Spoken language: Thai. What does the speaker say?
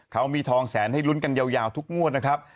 เขามีทองแสนให้ลุ้นกันยาวทุกงวดนะครับ